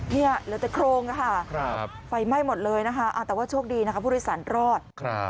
เหลือแต่โครงค่ะไฟไหม้หมดเลยนะคะแต่ว่าโชคดีนะคะผู้โดยสารรอด